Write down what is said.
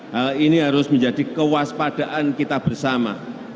hal ini harus menjadi kewaspadaan kita bersama